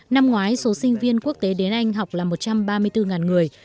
năm ngoái số sinh viên quốc tế đến anh học là một trăm ba mươi bốn người